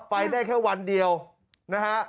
ไปได้แค่วันเดียวนะฮะ